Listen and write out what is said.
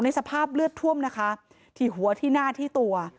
สภาพเลือดท่วมนะคะที่หัวที่หน้าที่ตัว